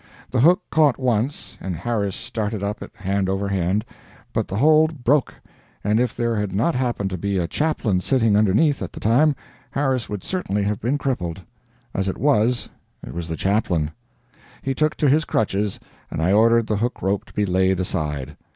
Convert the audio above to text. The hook caught once, and Harris started up it hand over hand, but the hold broke and if there had not happened to be a chaplain sitting underneath at the time, Harris would certainly have been crippled. As it was, it was the chaplain. He took to his crutches, and I ordered the hook rope to be laid aside.